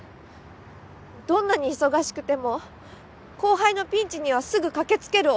どんなに忙しくても後輩のピンチにはすぐ駆け付ける俺。